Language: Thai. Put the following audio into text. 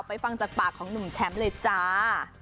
ฟังจากปากของหนุ่มแชมป์เลยจ้า